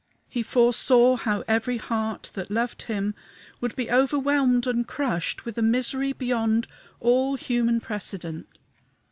He foresaw how every heart that loved him would be overwhelmed and crushed with a misery beyond all human precedent.